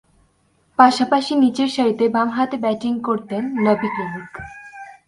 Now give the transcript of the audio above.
পাশাপাশি নিচেরসারিতে বামহাতে ব্যাটিং করতেন নবি ক্লার্ক।